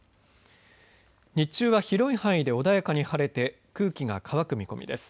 日中は広い範囲で穏やかに晴れて空気が乾く見込みです。